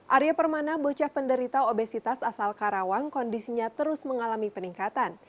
arya permana bocah penderita obesitas asal karawang kondisinya terus mengalami peningkatan